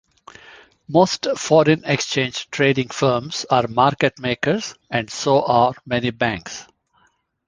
Most foreign exchange trading firms are market makers and so are many banks.